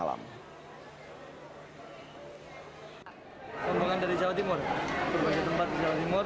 rombongan dari jawa timur berbagai tempat di jawa timur